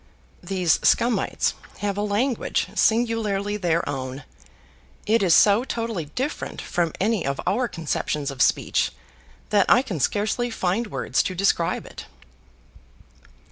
These Scumites have a language singularly their own. It is so totally different from any of our conceptions of speech that I can scarcely find words to describe it.